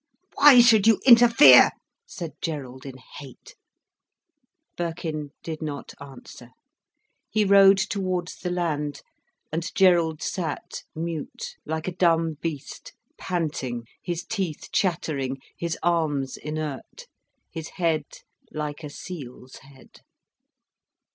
"Why should you interfere?" said Gerald, in hate. Birkin did not answer. He rowed towards the land. And Gerald sat mute, like a dumb beast, panting, his teeth chattering, his arms inert, his head like a seal's head.